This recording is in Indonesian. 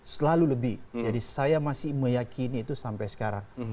selalu lebih jadi saya masih meyakini itu sampai sekarang